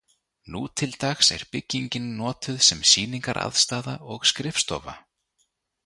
Nútildags er byggingin notuð sem sýningaraðstaða og skrifstofa.